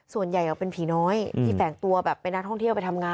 ส่วนใหญ่เป็นผีน้อยที่แฝงตัวแบบเป็นนักท่องเที่ยวไปทำงาน